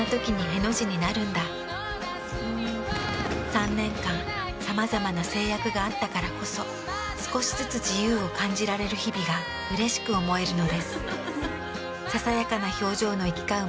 ３年間さまざまな制約があったからこそ少しずつ自由を感じられる日々がうれしく思えるのです。